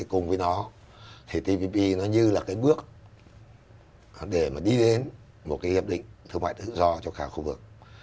cùng với nó thì tpp nó như là cái bước để mà đi đến một cái hiệp định thương mại tự do cho cả khu vực